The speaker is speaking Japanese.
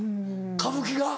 歌舞伎が？